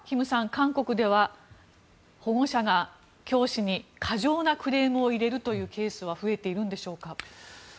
韓国では保護者が教師に過剰なクレームを入れるケースというのは増えているんでしょうか。